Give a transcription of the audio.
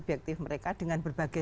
elkaar dengan berbagai